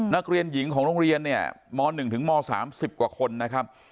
นักเรียนหญิงของโรงเรียนเนี่ยม๑ถึงม๓๐กว่าคนนะครับ